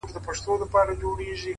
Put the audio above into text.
دواړه لاسه يې کړل لپه _